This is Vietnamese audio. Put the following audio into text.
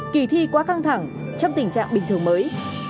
kỳ thi quá căng thẳng trong tình trạng bình thường mới